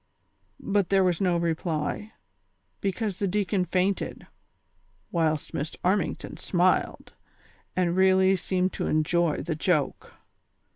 But there was no reply ; because the deacon fainted, whilst Miss Armington smiled, and really seemed to enjoy the joke.